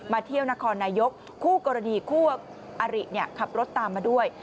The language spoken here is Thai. เที่ยวนครนายกคู่กรณีคู่อาริขับรถตามมาด้วย